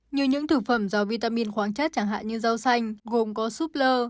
như những thực phẩm do vitamin khoáng chất chẳng hạn như rau xanh gồm có súp lơ